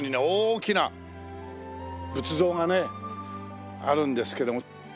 大きな仏像がねあるんですけども。